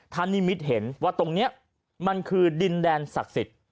นิมิตเห็นว่าตรงนี้มันคือดินแดนศักดิ์สิทธิ์